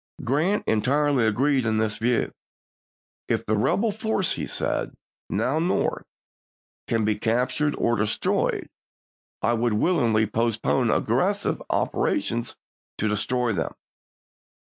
Grant entirely agreed in this view. "If the rebel force," he said, " now North, can be cap tured or destroyed, I would willingly postpone aggressive operations to destroy them."